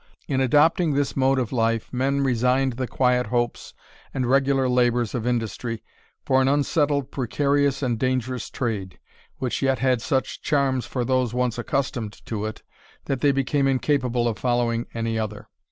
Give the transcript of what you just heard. In adopting this mode of life, men resigned the quiet hopes and regular labours of industry, for an unsettled, precarious, and dangerous trade, which yet had such charms for those once accustomed to it, that they became incapable of following any other.